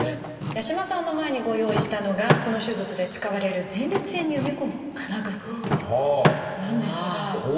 八嶋さんの前にご用意したのがこの手術で使われる前立腺に埋め込む金具なんですが。